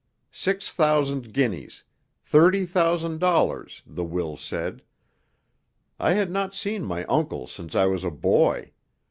Six thousand guineas thirty thousand dollars the will said. I had not seen my uncle since I was a boy.